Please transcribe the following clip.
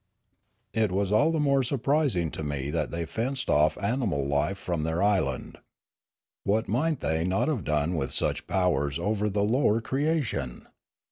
It was all the more surprising to me that they fenced off animal life from their island. What might they not have done with such powers over the lower crea tion?